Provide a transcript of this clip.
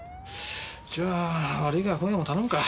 じゃあ悪いが今夜も頼むか。